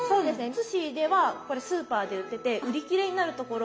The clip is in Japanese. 津市ではこれスーパーで売ってて売り切れになるところもあったりします。